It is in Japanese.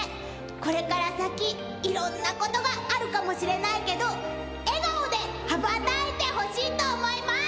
これから先いろんなことがあるかもしれないけど笑顔で羽ばたいてほしいと思います！